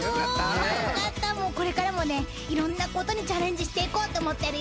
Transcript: これからもねいろんなことにチャレンジしていこうと思ってるよ。